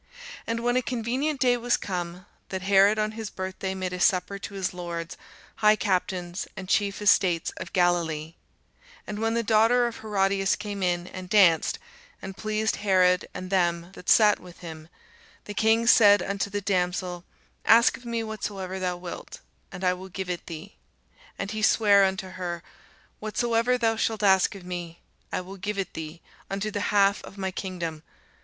And when a convenient day was come, that Herod on his birthday made a supper to his lords, high captains, and chief estates of Galilee; and when the daughter of Herodias came in, and danced, and pleased Herod and them that sat with him, the king said unto the damsel, Ask of me whatsoever thou wilt, and I will give it thee. And he sware unto her, Whatsoever thou shalt ask of me, I will give it thee, unto the half of my kingdom.